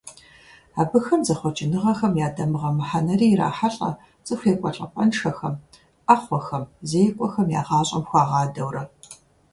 Абыхэм зэхъуэкӀыныгъэхэм я дамыгъэ мыхьэнэри ирахьэлӀэ, цӀыху екӀуэлӀапӀэншэхэм, Ӏэхъуэхэм, зекӀуэхэм я гъащӀэм хуагъадэурэ.